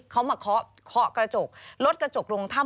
เขามาเคาะเคาะกระจกรถกระจกลงถ้ำ